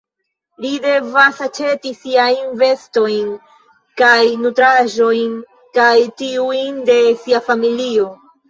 Li devas aĉeti siajn vestojn kaj nutraĵojn kaj tiujn de sia familio.